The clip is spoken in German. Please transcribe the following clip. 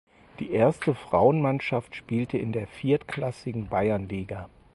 Die erste Frauenmannschaft spielte in der viertklassigen Bayernliga.